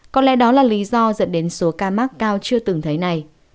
có lẽ đó là lý do dẫn đến số ca mắc cao chưa từng thấy này